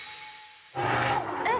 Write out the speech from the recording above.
えっ！